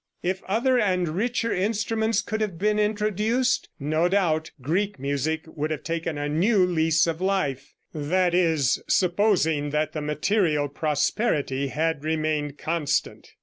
If other and richer instruments could have been introduced, no doubt Greek music would have taken a new lease of life, i.e., supposing that the material prosperity had remained constant.